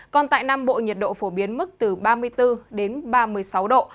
còn tại nam bộ nhiệt độ phổ biến mức từ ba mươi bốn đến ba mươi sáu độ